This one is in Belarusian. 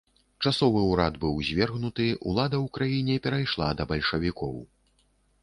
Часовы ўрад быў звергнуты, улада ў краіне перайшла да бальшавікоў.